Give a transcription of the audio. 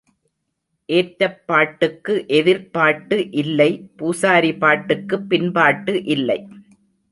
ஏற்றப் பாட்டுக்கு எதிர்ப் பாட்டு இல்லை பூசாரி பாட்டுக்குப் பின்பாட்டு இல்லை.